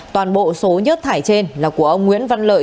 toàn bộ số nhất thải trên là của ông nguyễn văn lợi